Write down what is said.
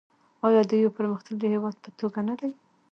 آیا د یو پرمختللي هیواد په توګه نه دی؟